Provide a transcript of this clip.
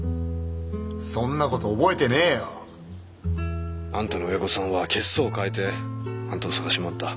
そんな事覚えてねえよ。あんたの親御さんは血相を変えてあんたを捜し回った。